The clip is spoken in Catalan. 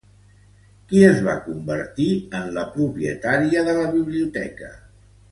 Qui es va convertir en la propietària de la biblioteca?